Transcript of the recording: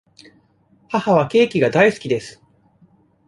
母はケーキが大好きです。